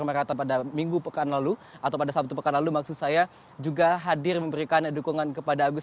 dan mereka pada minggu pekan lalu atau pada sabtu pekan lalu maksud saya juga hadir memberikan dukungan kepada agus